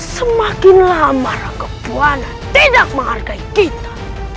semakinlah marah kepuanan tidak menghargai kita